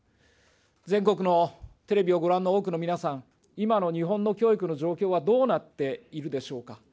全国のテレビをご覧の多くの皆さん、今の日本の教育の状況はどうなっているでしょうか。